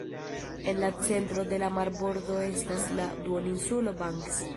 En la centro de la marbordo estas la Duoninsulo Banks.